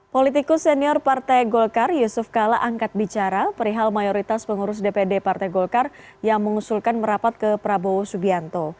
politikus senior partai golkar yusuf kala angkat bicara perihal mayoritas pengurus dpd partai golkar yang mengusulkan merapat ke prabowo subianto